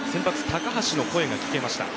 ・高橋の声が聞けました。